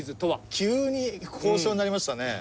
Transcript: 急に高尚になりましたね。